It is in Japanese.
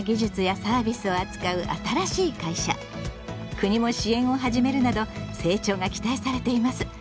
国も支援を始めるなど成長が期待されています。